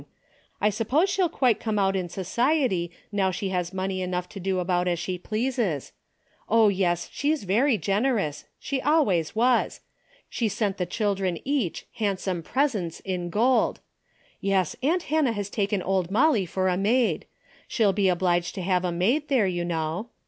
I suppose she'll quite come out in so ciety now she has money enough to do about as she pleases. Oh yes, she's very generous, A DAILY hate:' 123 slie always was. She sent the children each handsome presents in gold. Yes, aunt Hannah has taken old Molly for a maid. She'll be obliged to have a maid there, you know.